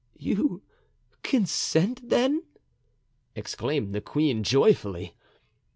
"You consent then?" exclaimed the queen, joyfully.